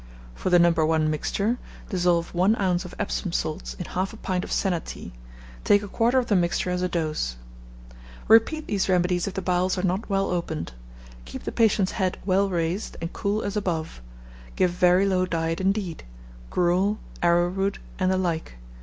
For the No. 1 mixture, dissolve on ounce of Epsom salts in half a pint of senna tea: take a quarter of the mixture as a dose] Repeat these remedies if the bowels are not well opened. Keep the patient's head well raised, and cool as above. Give very low diet indeed: gruel, arrowroot, and the like.